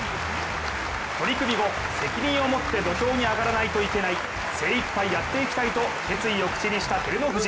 取組後、責任を持って土俵に上がらないといけない、精いっぱいやっていきたいと決意を口にした照ノ富士。